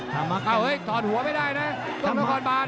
เทอร์มากแกงต่อโหดหัวไม่ได้นะกล้องต้องคอร์ตบาล